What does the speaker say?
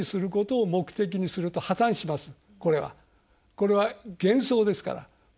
これは幻想ですから。